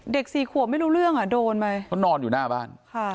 สี่ขวบไม่รู้เรื่องอ่ะโดนไปเขานอนอยู่หน้าบ้าน